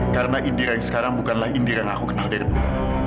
karena indira yang sekarang bukanlah indira yang aku kenal dari dulu